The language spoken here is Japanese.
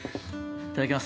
いただきます。